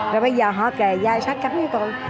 rồi bây giờ họ kề giai sát cấm với tôi